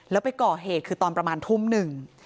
แล้วไปก่อเหตุคือตอนประมาณทุ่มหนึ่ง